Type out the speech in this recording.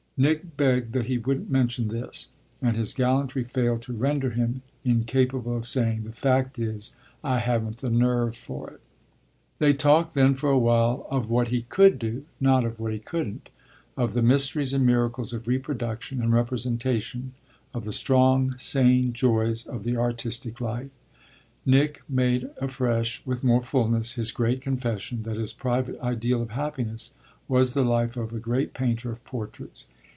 Nick begged that he wouldn't mention this, and his gallantry failed to render him incapable of saying: "The fact is I haven't the nerve for it." They talked then for a while of what he could do, not of what he couldn't; of the mysteries and miracles of reproduction and representation; of the strong, sane joys of the artistic life. Nick made afresh, with more fulness, his great confession, that his private ideal of happiness was the life of a great painter of portraits.